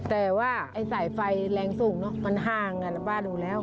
แต่ว่าไอ้สายไฟแรงสูงเนอะมันห่างกันป้าดูแล้ว